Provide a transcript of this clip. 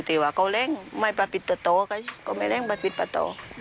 แต่ว่าก็เล่นไม่ปรับปิดต่อต่อก็ไม่เล่นปรับปิดต่อ